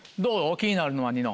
気になるのはニノ。